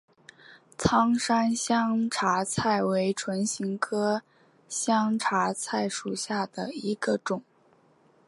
苍山香茶菜为唇形科香茶菜属下的一个种。